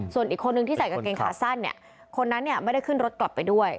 ส่วนอีกคนหนึ่งที่ใส่กับเกณฑ์ค้าสั้นคนนั้นไม่ได้ขึ้นรถกลับไปด้วย